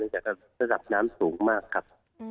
จะรับน้ำสูงมากครับ